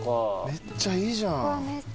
めっちゃいいじゃん。